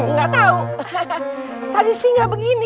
nggak tau tadi sih nggak begini